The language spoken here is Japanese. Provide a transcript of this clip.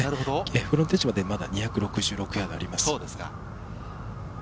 フロントエッジまで２６６ヤードあります。